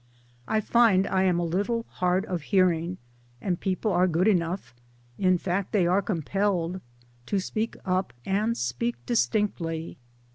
I find I am a little hard of hearing, and people are good enough in fact they are compelled to speak up and speak distinctly.